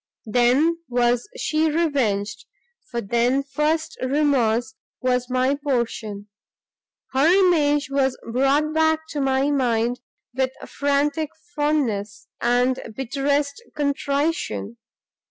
Then was she revenged, for then first remorse was my portion: her image was brought back to my mind with frantic fondness, and bitterest contrition.